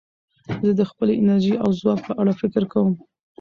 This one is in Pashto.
زه د خپلې انرژۍ او ځواک په اړه فکر کوم.